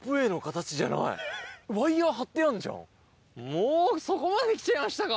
もうそこまできちゃいましたか！